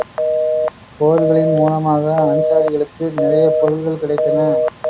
போர்களின் மூலமாக அன்ஸாரிகளுக்கு நிறையப் பொருள்கள் கிடைத்தன.